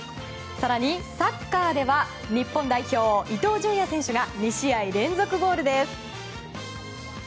更に、サッカーでは日本代表、伊東純也選手が２試合連続ゴールです。